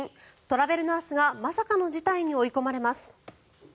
トラベルナースがまさかの事態に追い込まれます。